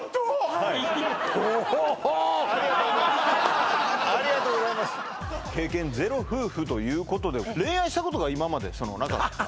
はいありがとうございますありがとうございます経験ゼロ夫婦ということで恋愛したことが今までなかった？